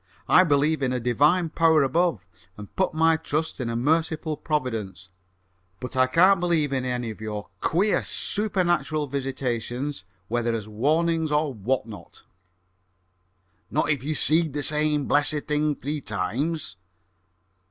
"I believe in a divine power above, and put my trust in a merciful providence; but I can't believe in any of your queer supernatural visitations, whether as warnings or what not!" "Not if you seed the same blessed thing three times?"